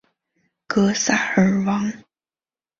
格萨尔王